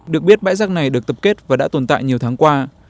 được biết bãi rác này được tập kết và đã tồn tại nhiều tháng qua